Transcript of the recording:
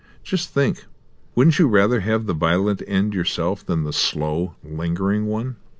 Just think. Wouldn't you rather have the violent end yourself than the slow, lingering one?"